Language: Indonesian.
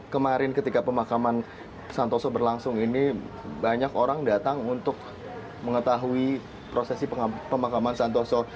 kemarin ketika pemakaman santoso berlangsung ini banyak orang datang untuk mengetahui prosesi pemakaman santoso